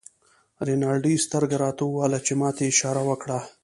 رینالډي سترګه راته ووهله چې ما ته یې اشاره وکړه.